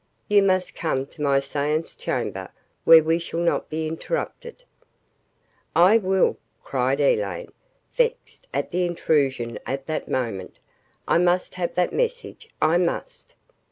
"You must come to my seance chamber where we shall not be interrupted." "I will," cried Elaine, vexed at the intrusion at that moment. "I must have that message I must."